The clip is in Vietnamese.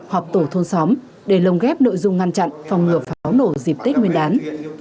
họp tổ thôn xóm để lồng ghép nội dung ngăn chặn phòng ngừa pháo nổ dịp tết nguyên đán